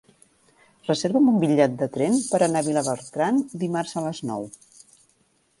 Reserva'm un bitllet de tren per anar a Vilabertran dimarts a les nou.